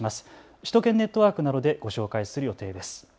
首都圏ネットワークなどでご紹介する予定です。